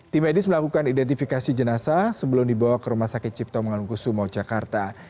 tim medis melakukan identifikasi jenasa sebelum dibawa ke rumah sakit cipto mangun gusumo jakarta